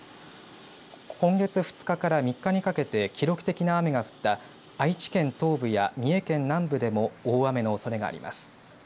今月２日から３日にかけて記録的な雨が降った愛知県東部や三重県南部でも大雨のおそれがあります。